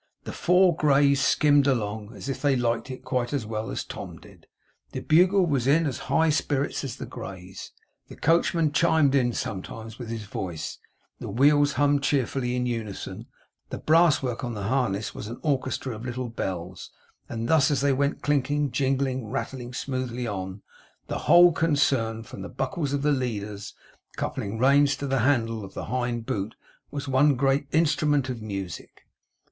The four greys skimmed along, as if they liked it quite as well as Tom did; the bugle was in as high spirits as the greys; the coachman chimed in sometimes with his voice; the wheels hummed cheerfully in unison; the brass work on the harness was an orchestra of little bells; and thus, as they went clinking, jingling, rattling smoothly on, the whole concern, from the buckles of the leaders' coupling reins to the handle of the hind boot, was one great instrument of music.